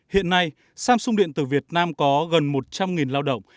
hiện nay samsung điện tử việt nam có gần một trăm linh lao động